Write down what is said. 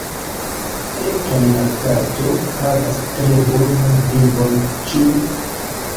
Fek' la kato havas tre bonan vivon, ĉu ne?